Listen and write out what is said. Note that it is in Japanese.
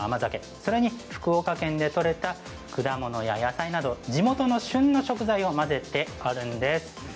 それに福岡県で取れた果物や野菜など地元の旬の食材を混ぜてあるんです。